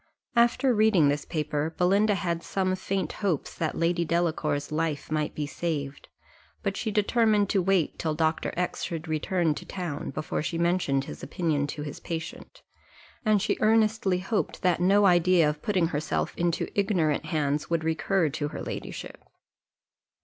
After reading this paper, Belinda had some faint hopes that Lady Delacour's life might be saved; but she determined to wait till Dr. X should return to town, before she mentioned his opinion to his patient; and she earnestly hoped that no idea of putting herself into ignorant hands would recur to her ladyship.